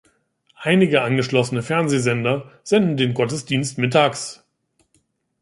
Einige angeschlossene Fernsehsender senden den Gottesdienst mittags.